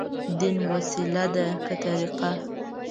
دين وسيله ده، که طريقه؟